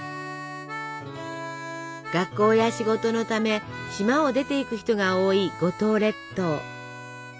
学校や仕事のため島を出ていく人が多い五島列島。